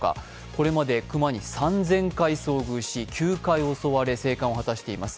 これまで熊に３０００回遭遇し、９回襲われ生還を果たしています